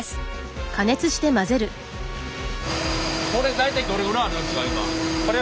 これ大体どれぐらいあるんですか？